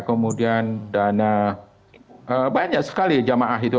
kemudian dana banyak sekali jamaah itu